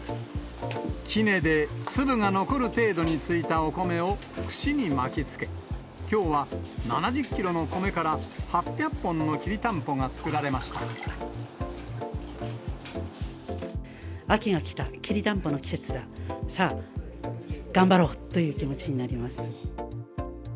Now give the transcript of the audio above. きねで粒が残る程度についたお米を串に巻きつけ、きょうは７０キロのコメから８００本のきりたんぽが作られま秋が来た、きりたんぽの季節だ、さあ、頑張ろう！という気持ちになります。